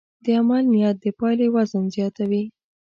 د عمل نیت د پایلې وزن زیاتوي.